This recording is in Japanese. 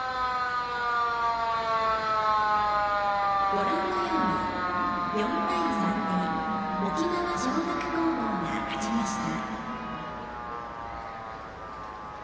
ご覧のように４対３で沖縄尚学高校が勝ちました。